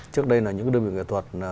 trước đây là những đơn vị nghệ thuật